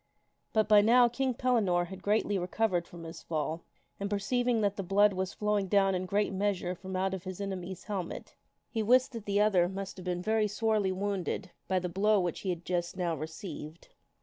But by now King Pellinore had greatly recovered from his fall, and per ceiving that the blood was flowing down in great measure from out his enemy's helmet, he wist that that other must have been very sorely wounded by the blow which he had just now received.